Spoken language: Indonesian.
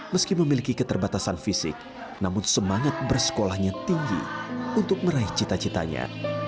meski memiliki keterbatasan fisik namun semangat bersekolahnya tinggi untuk meraih cita citanya